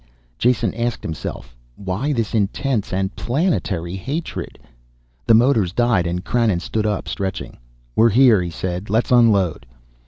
Jason asked himself. Why this intense and planetary hatred? The motors died and Krannon stood up, stretching. "We're here," he said. "Let's unload."